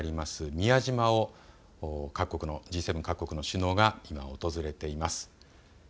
宮島を各国の首脳が今訪れています。